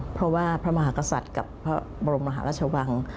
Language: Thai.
เพราะว่าพระมหากษัตริย์กับพระบรมมหาราชวัง